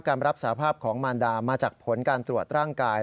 รับสาภาพของมารดามาจากผลการตรวจร่างกาย